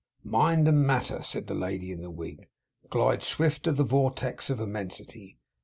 'Mind and matter,' said the lady in the wig, 'glide swift into the vortex of immensity.